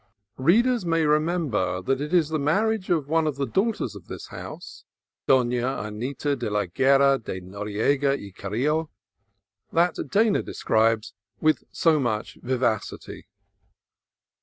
Readers may remember that it is the marriage of one of the daughters of this house, Dona Anita de la Guerra de Noriega y Carrillo, that Dana de scribes with so much vivacity.